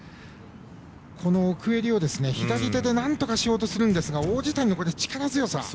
この奥襟を、左手でなんとかしようとするんですが王子谷の力強さ。